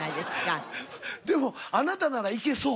でもあなたなら行けそう。